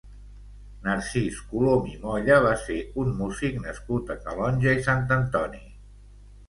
Narcís Colom i Molla va ser un músic nascut a Calonge i Sant Antoni.